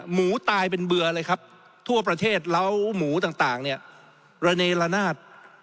หมูตายเป็นเบื่อเลยครับทั่วประเทศแล้วหมูต่างเนี่ยระเนละนาด